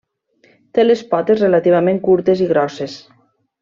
Té les potes relativament curtes i grosses.